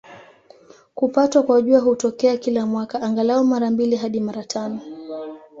Kupatwa kwa Jua hutokea kila mwaka, angalau mara mbili hadi mara tano.